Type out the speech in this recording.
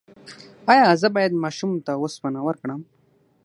ایا زه باید ماشوم ته اوسپنه ورکړم؟